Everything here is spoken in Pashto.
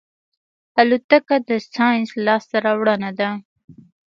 الوتکه د ساینس لاسته راوړنه ده.